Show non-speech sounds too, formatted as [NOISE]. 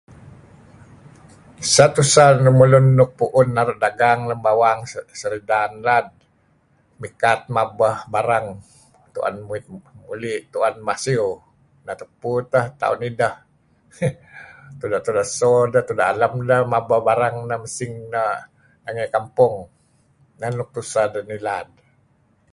Seh tuseh lemulun nuk puun naru' dagang bawang Seridan lad, mikat mabeh barang tuen muit muli' tuen masiew. Neh tupu teh taon ideh. [LAUGHS] Tuda'-tuda' so deh tuda'-tuda' alem deh mabeh barang mesing nah ngi kampong. Neh nuk tuseh deh ngilad.